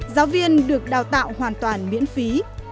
giáo viên được đào tạo hoàn toàn miễn phí